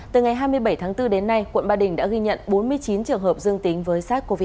từ ngày hai mươi bảy tháng bốn đến nay quận ba đình đã ghi nhận bốn mươi chín trường hợp dương tính với sars cov hai